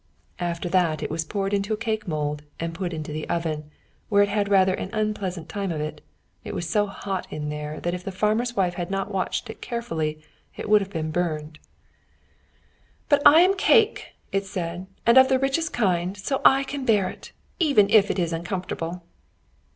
After that, it was poured into a cake mould, and put into the oven, where it had rather an unpleasant time of it. It was so hot in there that if the farmer's wife had not watched it carefully, it would have been burned. "But I am cake," it said, "and of the richest kind, so I can bear it, even if it is uncomfortable."